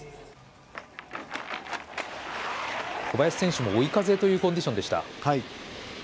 小林選手も追い風というコンディションでした。